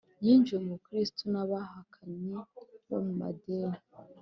yinjijwe mu bukristo n’abahakanyi bo mu madini